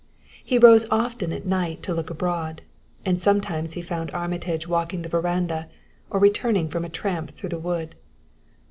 He rose often at night to look abroad, and sometimes he found Armitage walking the veranda or returning from a tramp through the wood.